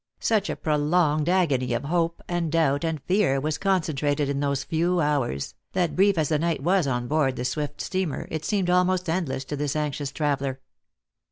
Such a prolonged agony of hope and doubt and fear was concentrated in those few hours, that brief as the night was on board the swift steamer it seemed almost endless to this anxious traveller.